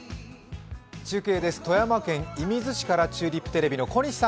中継です、富山県射水市からチューリップテレビの小西さん。